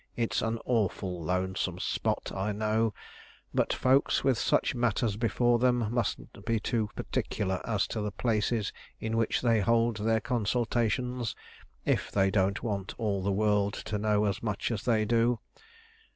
"It's an awful lonesome spot, I know; but folks with such matters before them mustn't be too particular as to the places in which they hold their consultations, if they don't want all the world to know as much as they do.